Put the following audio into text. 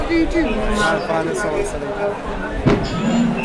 তিনি মাঝারীমানের খেলা উপহার দিয়েছিলেন।